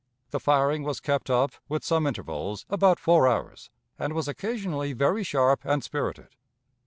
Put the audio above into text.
The firing was kept up, with some intervals, about four hours, and was occasionally very sharp and spirited.